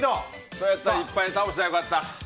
それやったらいっぱい倒したらよかった。